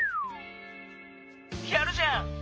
やるじゃん。